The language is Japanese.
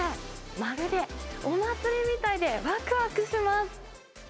まるでお祭りみたいでわくわくします。